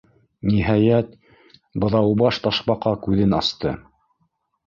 Ниһайәт, Быҙаубаш Ташбаҡа күҙен асты.